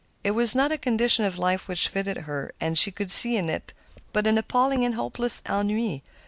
It was not a condition of life which fitted her, and she could see in it but an appalling and hopeless ennui.